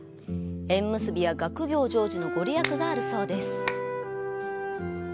縁結びや学業成就のご利益があるそうです。